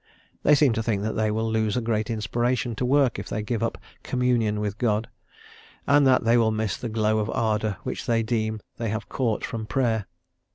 They seem to think that they will lose a great inspiration to work if they give up "communion with God," and that they will miss the glow of ardour which they deem they have caught from Prayer.